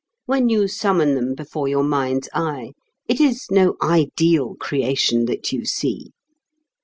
When you summon them before your mind's eye, it is no ideal creation that you see.